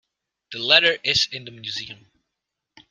The letter is in the museum.